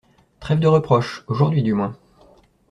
Trêve de reproches, aujourd'hui, du moins.